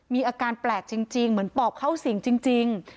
มีอาการแปลกจริงเหมือนปอบเข้าสิงจริง